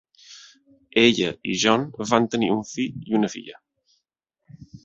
Ella i John van tenir un fill i una filla.